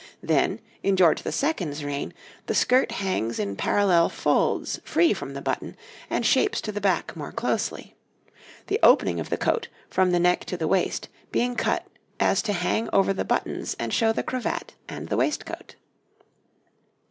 Then, in George II.'s reign, the skirt hangs in parallel folds free from the button, and shapes to the back more closely, the opening of the coat, from the neck to the waist, being so cut as to hang over the buttons and show the cravat and the waistcoat.